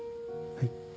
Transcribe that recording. はい。